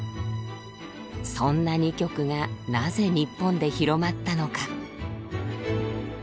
そんな２曲がなぜ日本で広まったのか？